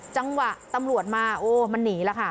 จังหวะตำรวจมาโอ้มันหนีแล้วค่ะ